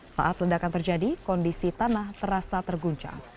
saat ledakan terjadi kondisi tanah terasa terguncang